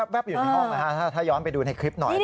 อยู่ในห้องนะฮะถ้าย้อนไปดูในคลิปหน่อย